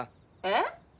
えっ？